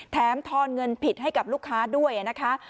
ทอนเงินผิดให้กับลูกค้าด้วยนะคะ